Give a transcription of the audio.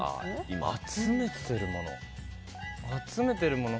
今集めているもの。